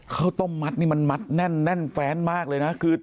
ข้าวต้มมัดนี่มันมัดแน่นแฟนมากเลยนะ